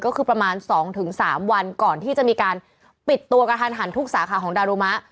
ก็คือประมาณ๒๓วันก่อนที่จะมีการปิดตัวกระทันหันทุกสาขาของดารุมะ